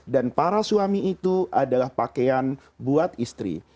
dan para suami itu adalah pakaian buat istri